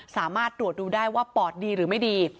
สามารถตรวจดูได้ว่าปอดดีหรือไม่ดี